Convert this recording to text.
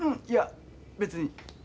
いや別に。